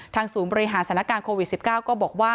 ศูนย์บริหารสถานการณ์โควิด๑๙ก็บอกว่า